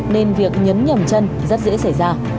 nên việc nhấn nhầm chân rất dễ xảy ra